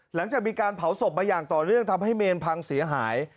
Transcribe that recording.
หลังจากมีการเผาศพมาอย่างต่อเนื่องทำให้เมนพังเสียหาย